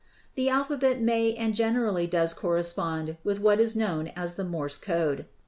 The alphabet may and generally does correspond with what is known as the "Morse Code."